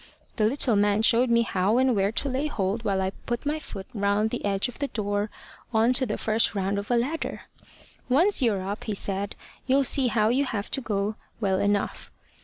The little man showed me how and where to lay hold while I put my foot round the edge of the door on to the first round of a ladder. `Once you're up,' he said, `you'll see how you have to go well enough.'